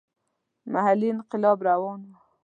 محلي انقلاب روان وو.